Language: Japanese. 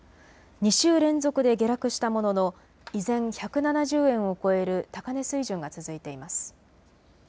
２週連続で下落したものの依然、１７０円を超える高値水準が続いています。